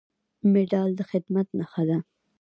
مډال د خدمت نښه ده